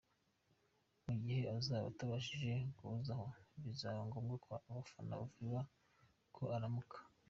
Mu gihe azaba atabashije guhozaho bizaba ngombwa ko abafana bavuga ko aramuka.